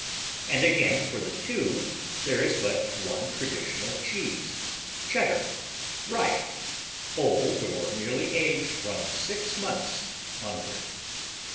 And again for the two, there is but one traditional cheese Cheddar, ripe, old or merely aged from six months onward.